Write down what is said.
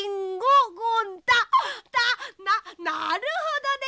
なるほどね！